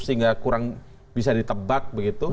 sehingga kurang bisa ditebak begitu